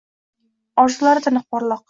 Orzulari tiniq, porloq